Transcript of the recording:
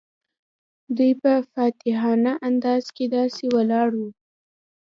دوی په فاتحانه انداز کې داسې ولاړ وو.